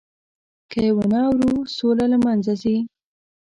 که یې ونه اورو، سوله له منځه ځي.